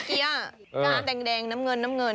เกี้ยกาบแดงน้ำเงินน้ำเงิน